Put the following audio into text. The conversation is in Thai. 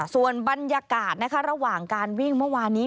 ส่วนบรรยากาศระหว่างการวิ่งเมื่อวานนี้